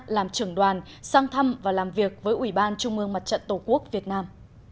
làm trưởng đoàn sang thăm và làm việc với ủy ban trung ương mặt trận tổ quốc việt nam